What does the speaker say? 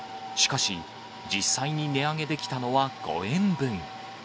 しかし、実際に値上げできたのは５円分。